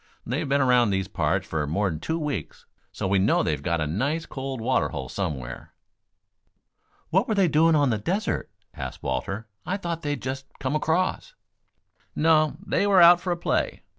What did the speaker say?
They've been around these parts for more than two weeks, so we know they've got a nice cold water hole somewhere." "What were they doing on the desert?" asked Walter. "I thought they had just come across." "No; they were out for a play.